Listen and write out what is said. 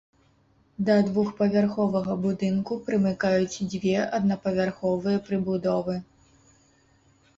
Да двухпавярховага будынку прымыкаюць дзве аднапавярховыя прыбудовы.